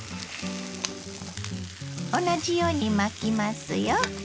同じように巻きますよ。